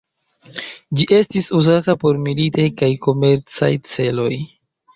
Ĝi estis uzata por militaj kaj komercaj celoj.